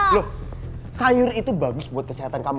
loh sayur itu bagus buat kesehatan kamu